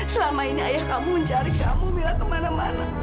selama ini ayah kamu mencari kamu mila kemana mana